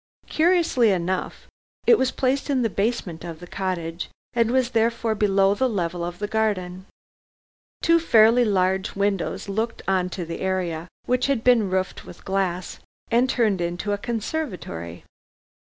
Curiously enough, it was placed in the basement of the cottage, and was therefore below the level of the garden. Two fairly large windows looked on to the area, which had been roofed with glass and turned into a conservatory.